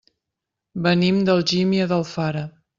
Venim d'Algímia d'Alfara.